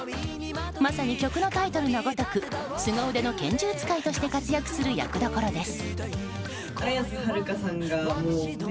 まさに曲のタイトルのごとくスゴ腕の拳銃使いとして活躍する役どころです。